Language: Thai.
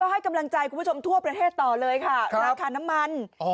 ให้กำลังใจคุณผู้ชมทั่วประเทศต่อเลยค่ะราคาน้ำมัน